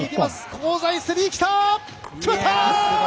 香西のスリーがきた！